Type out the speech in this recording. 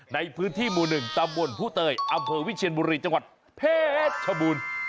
ในพื้นที่หมู่หนึ่งตามวลผู้เตยอำเภอวิเชียณบุรีจังหวัดเพชระบุญ